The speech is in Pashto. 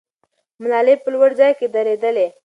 ملالۍ په لوړ ځای کې درېدلې.